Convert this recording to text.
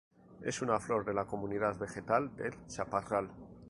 Es una flor de la comunidad vegetal del chaparral.